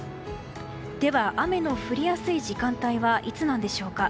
では、雨の降りやすい時間帯はいつなんでしょうか。